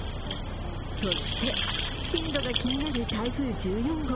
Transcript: そして進路が気になる台風１４号。